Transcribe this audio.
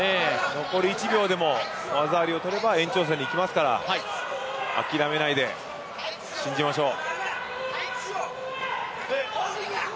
残り１秒でも技ありをとれば延長戦にいきますから、あきらめないで信じましょう。